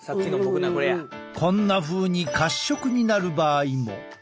こんなふうに褐色になる場合も。